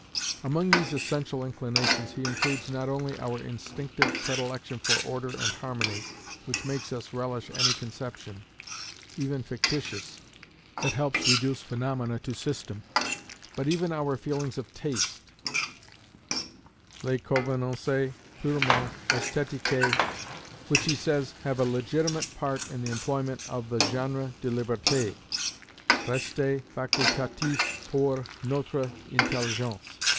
Among these "essential inclinations" he includes not only our "instinctive predilection for order and harmony," which makes us relish any conception, even fictitious, that helps to reduce phaenomena to system; but even our feelings of taste, "les convenances purement esthétiques," which, he says, have a legitimate part in the employment of the "genre de liberté" resté facultatif pour notre intelligence."